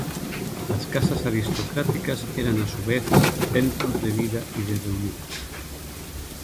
Las casas aristocráticas eran a su vez centros de vida y de reunión.